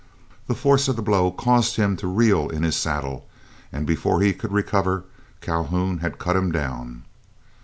The force of the blow caused him to reel in his saddle, and before he could recover, Calhoun had cut him down.